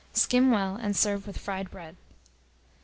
Skim well, and serve with fried bread.